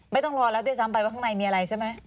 ต้องรอแล้วด้วยซ้ำไปว่าข้างในมีอะไรใช่ไหม